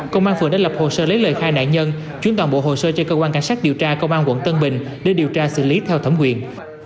công an phượt đã lập hồ sơ lấy lời khai nạn nhân chuyển toàn bộ hồ sơ cho cơ quan cảnh sát điều tra công an quận tân bình để điều tra xử lý theo thẩm quyền